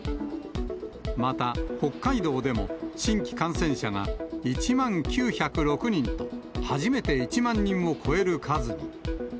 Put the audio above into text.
また北海道でも、新規感染者が１万９０６人と、初めて１万人を超える数に。